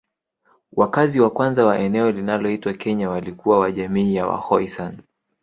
Wakazi wa kwanza wa eneo linaloitwa Kenya walikuwa wa jamii ya Wakhoisan